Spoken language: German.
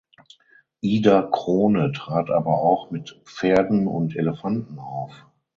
Ida Krone trat aber auch mit Pferden und Elefanten auf.